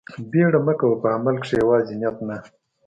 بيړه مه کوه په عمل کښې يوازې نيت نه.